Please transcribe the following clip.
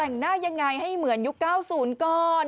แต่งหน้ายังไงให้เหมือนยุค๙๐ก่อน